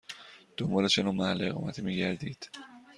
دنبال چه نوع محل اقامتی می گردید؟